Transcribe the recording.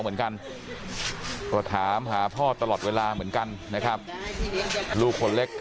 เมื่อเมื่อเมื่อเมื่อ